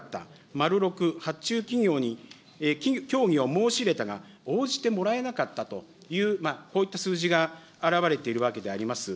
まる６、発注企業に協議を申し入れたが、応じてもらえなかったという、こういった数字が表れているわけであります。